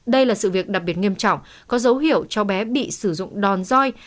đây là sự việc đặc biệt nghiêm trọng có dấu hiệu cho bé bị sử dụng đòn roi